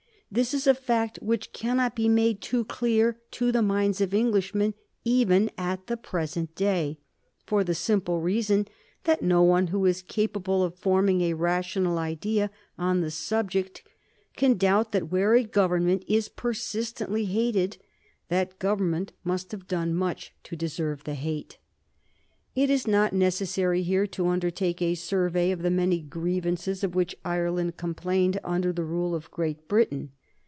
This is a fact which cannot be made too clear to the minds of Englishmen even at the present day, for the simple reason that no one who is capable of forming a rational idea on the subject can doubt that where a government is persistently hated that government must have done much to deserve the hate. It is not necessary here to undertake a survey of the many grievances of which Ireland complained under the rule of Great Britain.